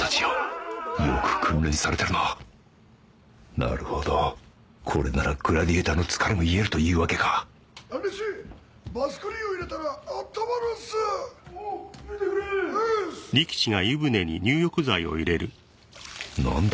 なるほどこれならグラディエイターの疲れも癒えるというわけか兄弟子バスクリンを入れたら温まるっすおう入れてくれ何だ